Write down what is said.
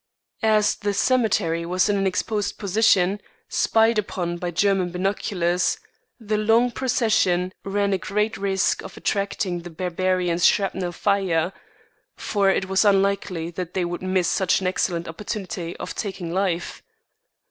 As the cemetery was in an exposed position, spied upon by German binoculars, the long procession ran a great risk of attracting the barbarians' shrapnel fire, for it was unlikely that they would miss such an excellent opportunity of taking life.